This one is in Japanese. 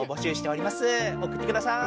おくってください。